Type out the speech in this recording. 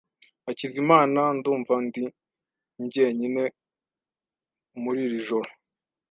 Hakizimana , ndumva ndi jyenyine muri iri joro.